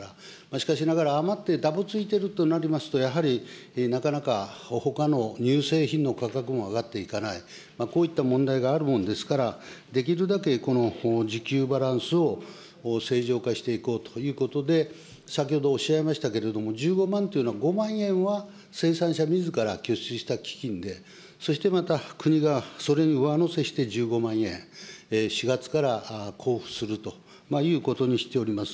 しかしながら、余って、だぶついているとなると、やはりなかなか、ほかの乳製品の価格も上がっていかない、こういった問題があるもんですから、できるだけこの需給バランスを正常化していこうということで、先ほどおっしゃいましたけれども、１５万というのは、５万円は生産者みずから拠出した基金で、そしてまた、国がそれに上乗せして１５万円、４月から交付するということにしております。